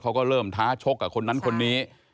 เขาก็เริ่มท้าชกกับคนนั้นคนนี้